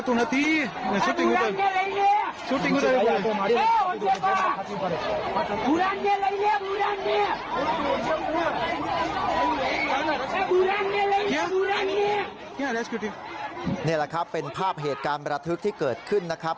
นี่แหละครับเป็นภาพเหตุการณ์ประทึกที่เกิดขึ้นนะครับ